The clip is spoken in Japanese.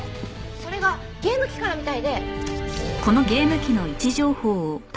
それがゲーム機からみたいで。